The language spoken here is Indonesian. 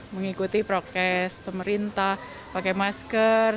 mengikuti prokes pemerintah pakai masker